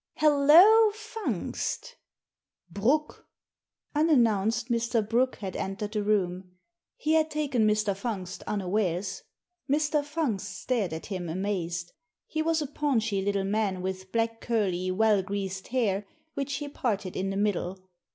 "Hollo, Fungst!" " Brooke 1" Unannounced Mr. Brooke had entered the room. He had taken Mr. Fungst unawares. Mr. Fungst stared at him amazed. He was a paunchy little man, with black, curly, well greased hair, which he parted in the middle.